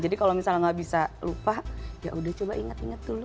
jadi kalau misalnya gak bisa lupa yaudah coba inget inget dulu